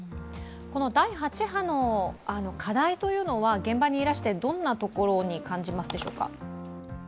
第８波の課題は、現場にいらしてどんなところが感じますでしょうか？